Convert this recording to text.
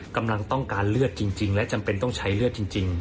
กำลังต้องการเลือดจริงและจำเป็นต้องใช้เลือดจริง